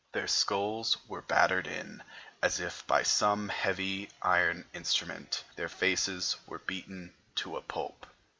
Their skulls were battered in as if by some heavy iron instrument; their faces were beaten into a pulp.